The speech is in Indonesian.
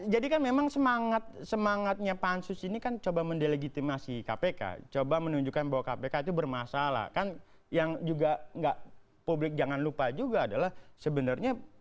jadi kan memang semangatnya pansus ini kan coba mendelegitimasi kpk coba menunjukkan bahwa kpk itu bermasalah kan yang juga gak publik jangan lupa juga adalah sebenarnya